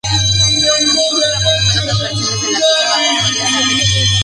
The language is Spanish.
James grabó numerosas versiones de la pieza bajo su alias Aphex Twin.